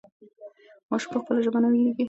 ماشوم په خپله ژبه نه وېرېږي.